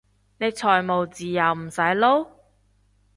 你財務自由唔使撈？